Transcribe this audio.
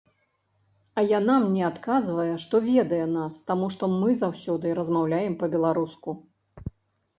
А яна мне адказвае, што ведае нас, таму што мы заўсёды размаўляем па-беларуску.